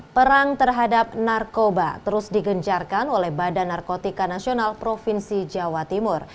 perang terhadap narkoba terus digencarkan oleh badan narkotika nasional provinsi jawa timur